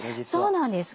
そうなんです